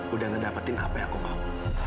udah ngedapetin apa yang aku mau